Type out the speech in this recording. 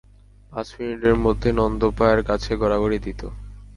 পাঁচ মিনিটের মধ্যে নন্দ পায়ের কাছে গড়াগড়ি দিত।